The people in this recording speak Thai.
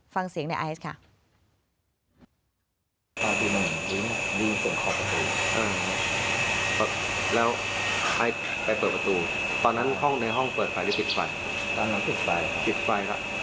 ฟังเสียงในไอซ์ค่ะ